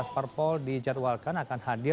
sebelas parpol di jadwalkan akan hadir